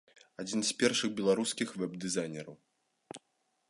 Адзін з першых беларускіх вэб-дызайнераў.